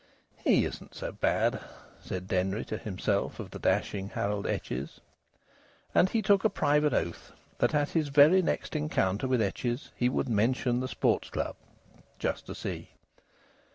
"He isn't so bad," said Denry to himself, of the dashing Harold Etches. And he took a private oath that at his very next encounter with Etches he would mention the Sports Club "just to see."